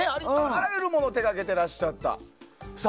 あらゆるものを手掛けていらっしゃった。